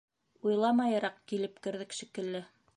Уйламайыраҡ килеп керҙек шикелле.